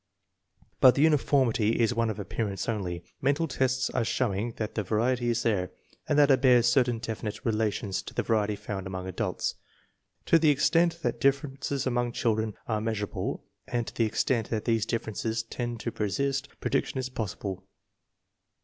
But the uniformity is one of appearance only. Mental tests are showing that the variety is there, and that it bears certain definite rela tions to the variety found among adults. To the ex tent that differences among children are measureable, and to the extent that these differences tend to per sist, prediction is possible.